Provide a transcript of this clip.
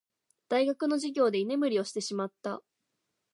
大学の授業で居眠りをしてしまった。